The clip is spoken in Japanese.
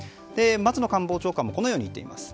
松野官房長官もこのように言っています。